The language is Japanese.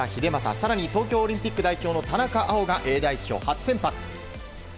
更に東京オリンピック代表の田中碧がＡ代表、初先発。